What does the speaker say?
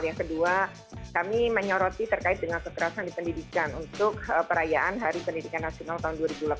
yang kedua kami menyoroti terkait dengan kekerasan di pendidikan untuk perayaan hari pendidikan nasional tahun dua ribu delapan belas